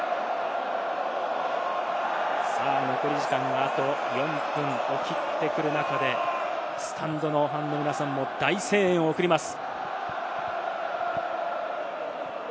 残り時間があと４分を切ってくる中で、スタンドのファンの皆さんも大声援を送ります。